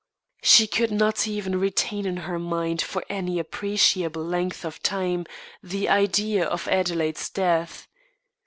She could not even retain in her mind for any appreciable length of time the idea of Adelaide's death.